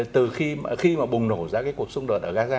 từ khi mà bùng nổ ra cái cuộc xung đột ở gaza